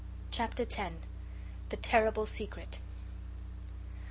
Chapter X. The terrible secret.